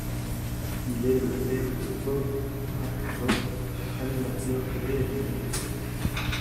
Il est le père de Bob Hathcock, animateur et réalisateur.